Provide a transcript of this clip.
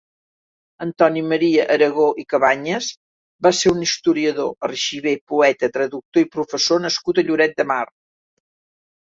Antoni Maria Aragó i Cabañas va ser un historiador, arxiver, poeta, traductor i professor nascut a Lloret de Mar.